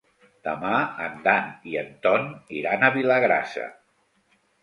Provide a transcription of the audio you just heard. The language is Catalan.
Demà en Dan i en Ton iran a Vilagrassa.